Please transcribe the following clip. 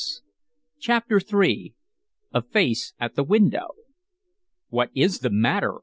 Chapter III A Face at the Window "What is the matter?"